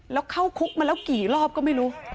แล้วเข้าคุกมาแล้วกี่รอบก็ไม่รู้